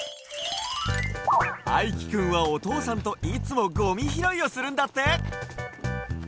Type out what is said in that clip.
あいきくんはおとうさんといつもゴミひろいをするんだって。